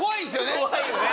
怖いよね。